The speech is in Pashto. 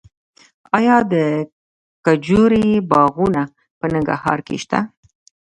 آیا د کجورې باغونه په ننګرهار کې شته؟